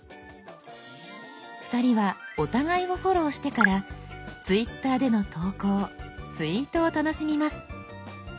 ２人はお互いをフォローしてから「Ｔｗｉｔｔｅｒ」での投稿「ツイート」を楽しみます。